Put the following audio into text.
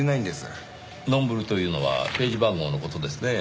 ノンブルというのはページ番号の事ですねぇ？